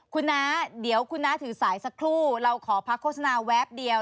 คุณน้าเดี๋ยวคุณน้าถือสายสักครู่เราขอพักโฆษณาแวบเดียว